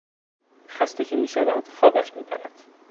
خسته که میشود خوابش میبرد.